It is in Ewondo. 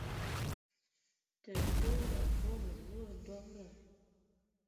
Tətə wa vuan loe dɔbədɔ.